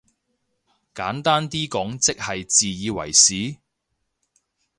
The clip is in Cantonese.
簡單啲講即係自以為是？